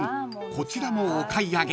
こちらもお買い上げ］